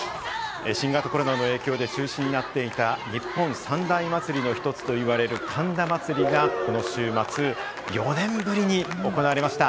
新型コロナの影響で中止になっていた、日本三大祭の一つといわれる神田祭がこの週末、４年ぶりに行われました。